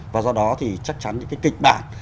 và do đó thì chắc chắn những cái kịch bản